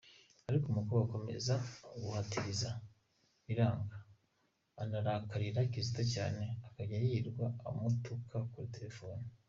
Ariko umukobwa akomeza guhatiriza…biranga anarakarira Kizito cyane akajya yirirwa amutuka kuri telefone.